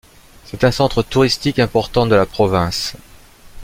C'est un centre touristique important de la province.